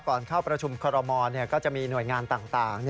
เข้าประชุมคอรมอลก็จะมีหน่วยงานต่าง